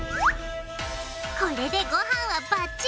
これでごはんはバッチリ！